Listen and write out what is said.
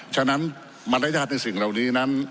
ฉะนั้นมารยาทในสิ่งเหล่านี้นั้น